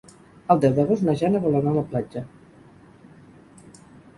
El deu d'agost na Jana vol anar a la platja.